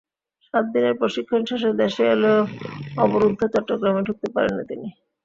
সাত দিনের প্রশিক্ষণ শেষে দেশে এলেও অবরুদ্ধ চট্টগ্রামে ঢুকতে পারেননি তিনি।